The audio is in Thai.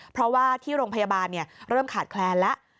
เพราะว่าที่โรงพยาบาลเริ่มขาดแคลนแล้ว